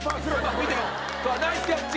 ほらナイスキャッチ。